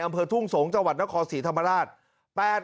อำเภอทุ่งสงศ์จังหวัดนครศรีธรรมราช